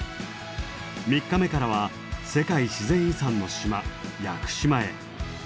３日目からは世界自然遺産の島屋久島へ。